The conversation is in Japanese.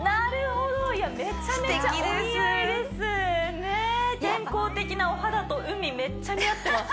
ねえ健康的なお肌と海めっちゃ似合ってます